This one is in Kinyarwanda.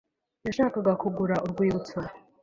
yashakaga kugura urwibutso.